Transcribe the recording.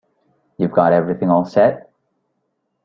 You've got everything all set?